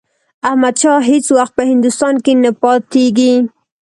احمدشاه هیڅ وخت په هندوستان کې نه پاتېږي.